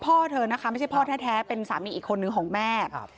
พ่อเธอนะคะไม่ใช่พ่อแท้เป็นสามีอีกคนนึงของแม่